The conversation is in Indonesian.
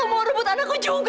apa kamu mau rebut anakku juga